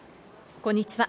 こんにちは。